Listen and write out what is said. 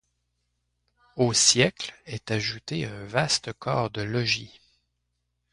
Aux - siècles est ajouté un vaste corps de logis.